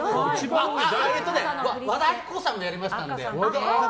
和田アキ子さんもやりました。